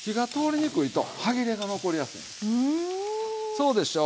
そうでしょ？